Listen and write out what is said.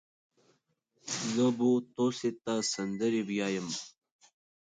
زه بو توسې ته سندرې ويايم.